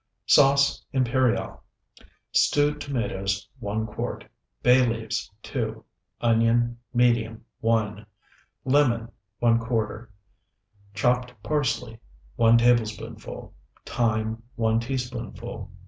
SAUCE IMPERIAL Stewed tomatoes, 1 quart. Bay leaves, 2. Onion, medium, 1. Lemon, ¼. Chopped parsley, 1 tablespoonful. Thyme, 1 teaspoonful.